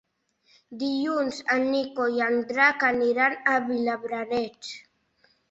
Dilluns en Nico i en Drac aniran a Vilablareix.